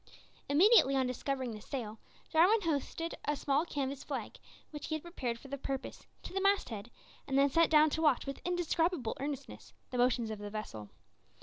Immediately on discovering the sail, Jarwin hoisted a small canvas flag, which he had prepared for the purpose, to the mast head, and then sat down to watch with indescribable earnestness the motions of the vessel.